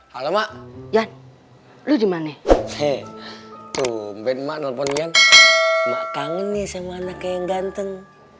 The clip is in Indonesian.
halo mak jan lu dimana hei tuh bener bener punya maka ini sama anak yang ganteng